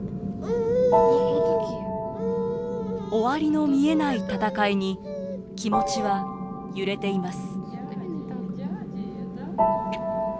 終わりの見えない戦いに気持ちは揺れています。